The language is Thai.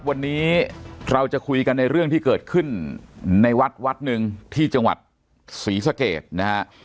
วันนี้เราจะคุยกันในเรื่องที่เกิดขึ้นในวัดวัดหนึ่งที่จังหวัดศรีสะเกดนะฮะ